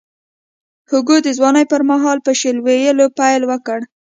هوګو د ځوانۍ پر مهال په شعر ویلو پیل وکړ.